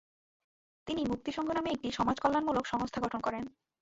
তিনি ‘মুক্তি সংঘ’ নামে একটি সমাজকল্যাণমূলক সংস্থা গঠন করেন।